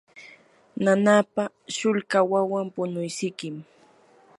nanapa shulka wawan punuysikim.